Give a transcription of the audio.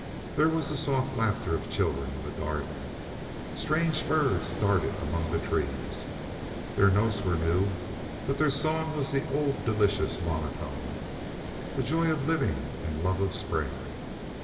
There was the soft laughter of children in the garden. Strange birds darted among the trees. Their notes were new, but their song was the old delicious monotone the joy of living and love of spring.